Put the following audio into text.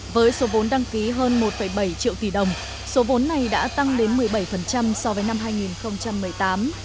với số vốn đăng ký hơn một bảy triệu tỷ đồng số vốn này đã tăng đến một mươi bảy so với năm hai nghìn một mươi tám